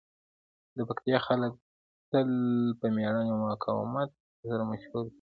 د پکتیکا خلک تل په مېړانې او مقاومت مشهور دي.